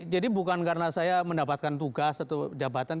jadi bukan karena saya mendapatkan tugas atau jabatan